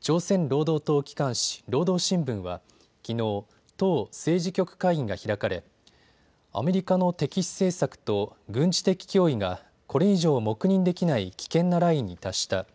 朝鮮労働党機関紙、労働新聞はきのう、党政治局会議が開かれアメリカの敵視政策と軍事的脅威が、これ以上黙認できない危険なラインに達した。